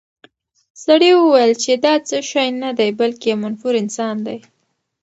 سړي وویل چې دا څه شی نه دی، بلکې یو منفور انسان دی.